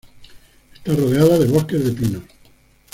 Está rodeado de bosques de pinos.